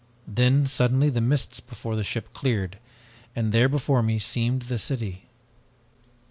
Then suddenly the mists before the ship cleared and there before me seemed the city.